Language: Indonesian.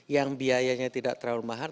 yang biayanya tidak terlalu mahal